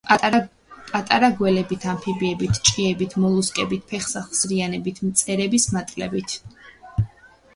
იკვებება თევზით, პატარ-პატარა გველებით, ამფიბიებით, ჭიებით, მოლუსკებით, ფეხსახსრიანებით, მწერების მატლებით.